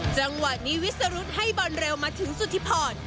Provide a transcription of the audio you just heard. จังหวะนี้วิสรุธให้บอลเร็วมาถึงสุธิพร